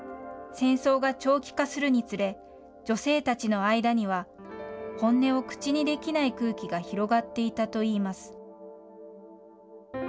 戦争が長期化するにつれ、女性たちの間には本音を口にできない空気が広がっていたといいます。